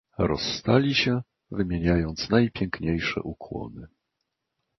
"Rozstali się, wymieniając najpiękniejsze ukłony."